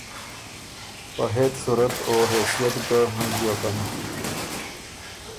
په هېڅ صورت او حېثئت ګۀ هنݫیوکن۔